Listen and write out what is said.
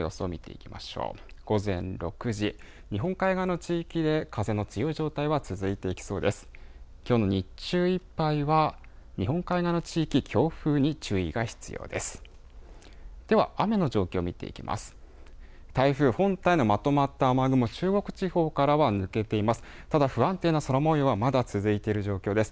きょうの日中いっぱいは日本海側の地域強風に注意が必要です。